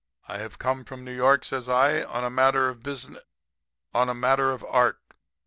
I have come from New York,' says I, 'on a matter of busi on a matter of art.